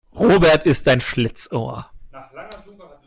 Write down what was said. Robert ist ein Schlitzohr.